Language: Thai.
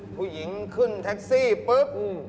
ผู้หญิงขึ้นแท็กซี่ปุ๊บ